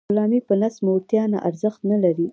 غلامي په نس موړتیا نه ارزښت نلري.